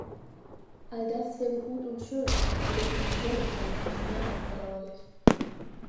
All das wäre gut und schön, aber der finanzielle Punkt ist mehr als bedauerlich.